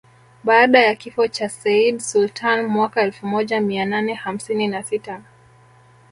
Baada ya kifo cha Sayyid Sultan mwaka elfu moja mia nane hamsini na sita